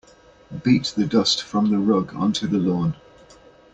Beat the dust from the rug onto the lawn.